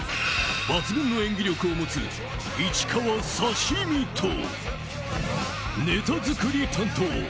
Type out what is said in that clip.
抜群の演技力を持つ市川刺身とネタ作り担当。